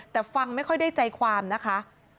แต่ฟังไม่ค่อยได้ใจความนะคะ